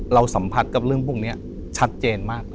สัมผัสกับเรื่องพวกนี้ชัดเจนมาก